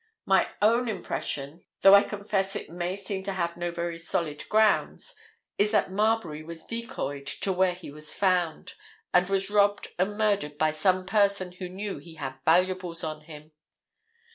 "My own impression—though I confess it may seem to have no very solid grounds—is that Marbury was decoyed to where he was found, and was robbed and murdered by some person who knew he had valuables on him.